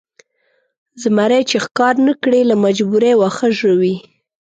زمری چې ښکار نه کړي له مجبورۍ واښه ژوي.